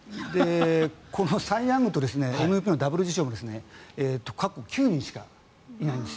このサイ・ヤングとＭＶＰのダブル受賞も過去９人しかいないんです。